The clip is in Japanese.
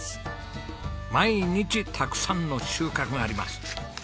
毎日たくさんの収穫があります。